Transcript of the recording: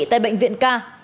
tại bệnh viện k